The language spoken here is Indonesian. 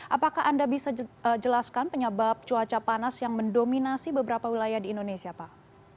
apakah anda bisa jelaskan penyebab cuaca panas yang mendominasi beberapa wilayah di indonesia pak